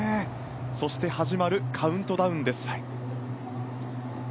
そして始まるカウントダウンです。